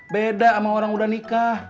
beda sama orang udah nikah